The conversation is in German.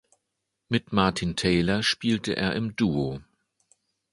Mit Martin Taylor spielte er im Duo.